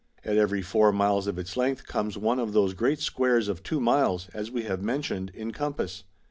At every four miles of its length comes one of those great squares of 2 miles (as we have mentioned) in compass.